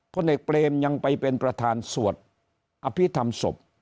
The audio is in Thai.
พลเอกเปรมยังไปเป็นประธานสวดอภิษฐรรมศพ